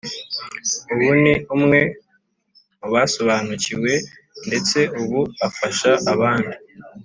ubu ni umwe mu basobanukiwe, ndetse ubu afasha abandi